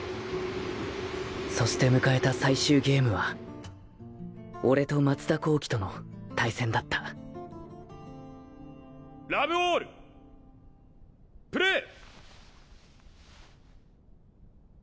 そして迎えた最終ゲームは俺と松田航輝との対戦だったラブオールプレー！